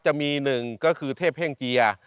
จะมีหนึ่งก็คือเทพเฮ่งเจีย